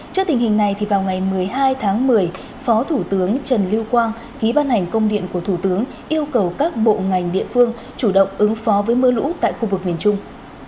trước tình hình này vào ngày một mươi hai tháng một mươi phó thủ tướng trần lưu quang ký ban hành công điện của thủ tướng yêu cầu các bộ ngành địa phương chủ động ứng phó với mưa lũ tại khu vực miền trung